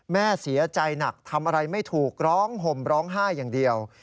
แม่เสียใจหนักทำอะไรไม่ถูกร้องห่มร้องไห้อย่างเดียว